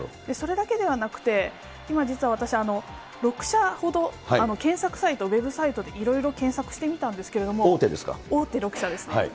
それだけではなくて、今実はわたくし、６社ほど検索サイト、ウェブサイトでいろいろ検索してみたんです大手ですか？